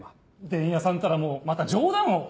伝弥さんたらもうまた冗談を。